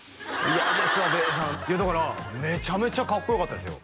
いやだからめちゃめちゃかっこよかったですよ